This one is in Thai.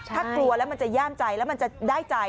ถ้ากลัวแล้วมันจะย่ามใจแล้วมันจะได้ใจ